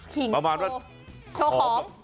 ขิงโชว์โชว์ของ